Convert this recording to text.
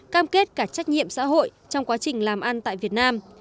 cam kết cả trách nhiệm xã hội trong quá trình làm ăn tại việt nam